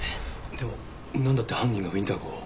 でもなんだって犯人がウィンター号を？